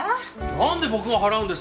なんで僕が払うんですか？